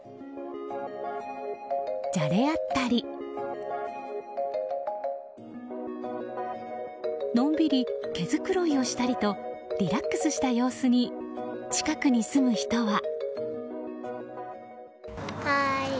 じゃれ合ったりのんびり毛づくろいをしたりとリラックスした様子に近くに住む人は。